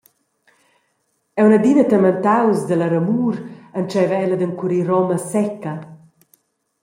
Aunc adina tementaus dalla ramur entscheiva el ad encurir roma secca.